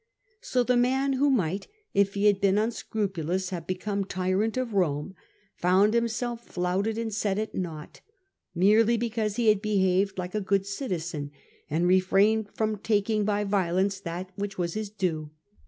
So the man who might, if he had been unscrupulous, have become tyrant of Rome, found himself flouted and set at nought, merely because he had behaved like a good citizen, and refrained from taking by violence that which was his due.